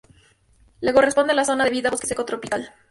Le corresponde a la zona de vida bosque seco tropical.